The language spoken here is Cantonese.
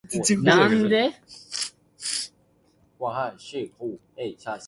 其實我嫁咗㗎啦